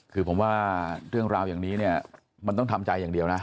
คือผมว่าเรื่องราวอย่างนี้เนี่ยมันต้องทำใจอย่างเดียวนะ